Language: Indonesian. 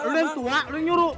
lu yang tua lu nyuruh